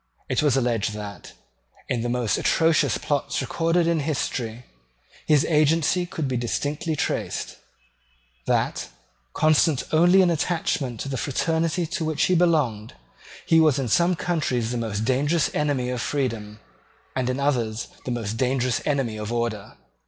It was alleged that, in the most atrocious plots recorded in history, his agency could be distinctly traced; that, constant only in attachment to the fraternity to which he belonged, he was in some countries the most dangerous enemy of freedom, and in others the most dangerous enemy of order.